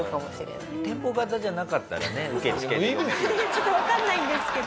ちょっとわかんないんですけど。